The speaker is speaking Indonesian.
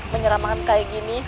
menyeramkan kayak gini